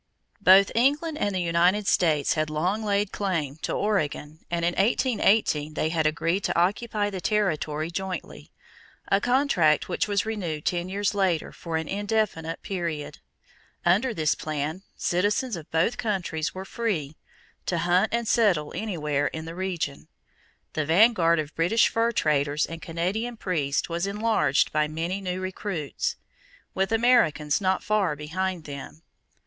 _ Both England and the United States had long laid claim to Oregon and in 1818 they had agreed to occupy the territory jointly a contract which was renewed ten years later for an indefinite period. Under this plan, citizens of both countries were free to hunt and settle anywhere in the region. The vanguard of British fur traders and Canadian priests was enlarged by many new recruits, with Americans not far behind them.